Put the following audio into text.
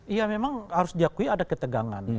iya memang harus diakui ada ketegangan